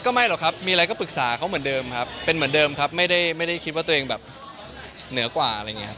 ไม่หรอกครับมีอะไรก็ปรึกษาเขาเหมือนเดิมครับเป็นเหมือนเดิมครับไม่ได้คิดว่าตัวเองแบบเหนือกว่าอะไรอย่างนี้ครับ